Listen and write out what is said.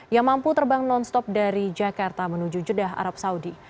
yang mampu terbang non stop dari jakarta menuju jeddah arab saudi